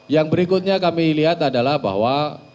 yang berikutnya kami lihat adalah bahwa